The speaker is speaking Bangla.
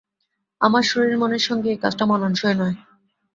আমার শরীরমনের সঙ্গে এই কাজটা মানানসই নয়।